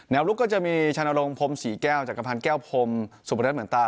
แนวลูกก็จะมีชาญโดรงพรมสี่แก้วจักรพรรดิแก้วพรมสุพนันเหมือนตา